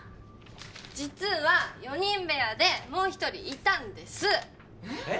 実は四人部屋でもう一人いたんですえッ？